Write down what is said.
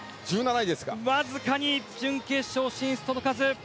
わずかに準決勝進出、届かず。